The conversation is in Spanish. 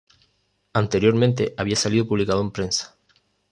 Anteriormente había salido publicado en prensa.